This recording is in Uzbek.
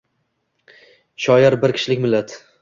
Shoir bir kishilik millat.